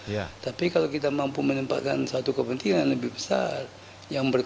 ya tapi kalau kita melakukan penyelidikan secara optimal bahwa dengan politik terjadi frisi frisi itu suatu hal yang normal ya